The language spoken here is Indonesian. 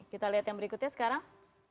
kita lihat yang berikutnya sekarang